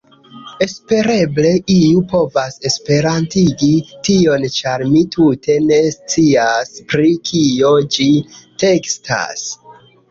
Espereble, iu povas esperantigi tion ĉar mi tute ne scias, pri kio ĝi tekstas